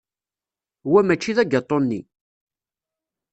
Wa mačči d agatu-nni.